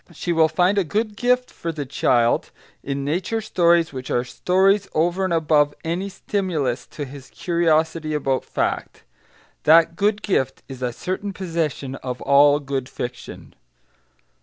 She will find a good gift for the child in nature stories which are stories, over and above any stimulus to his curiosity about fact. That good gift is a certain possession of all good fiction.